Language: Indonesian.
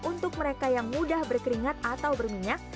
untuk mereka yang mudah berkeringat atau berminyak